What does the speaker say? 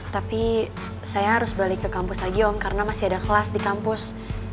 tapi saya harus balik ke kampus lagi om karena masih ada kelas di kampus